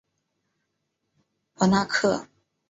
博纳克。